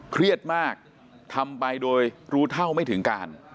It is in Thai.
เครียดมากทำไปโดยรู้เท่าไม่ถึงการ